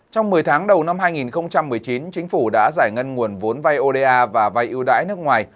trong một mươi tháng đầu năm hai nghìn một mươi chín chính phủ đã giải ngân nguồn vốn vay oda và vay ưu đãi nước ngoài